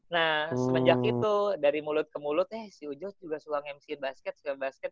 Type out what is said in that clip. nah semenjak itu dari mulut ke mulut eh si ujo juga suka nge mc basket suka basket